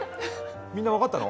みんな、分かったの？